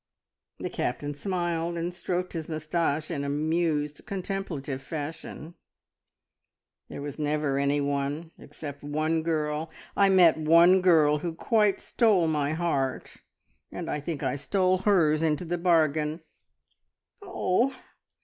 The Captain smiled and stroked his moustache in amused, contemplative fashion. "There was never anyone, except one girl! I met one girl who quite stole my heart, and I think I stole hers into the bargain." "Oh!